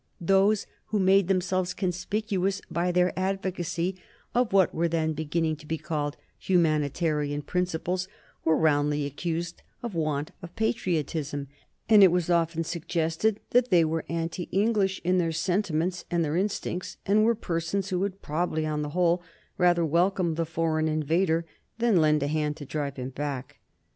Those who made themselves conspicuous by their advocacy of what were then beginning to be called humanitarian principles were roundly accused of want of patriotism, and it was often suggested that they were anti English in their sentiments and their instincts, and were persons who would probably, on the whole, rather welcome the foreign invader than lend a hand to drive him back.